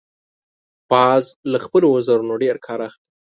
باز له خپلو وزرونو ډیر کار اخلي